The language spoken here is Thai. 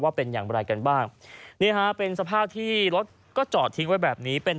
เป็นอย่างไรกันบ้างนี่ฮะเป็นสภาพที่รถก็จอดทิ้งไว้แบบนี้เป็น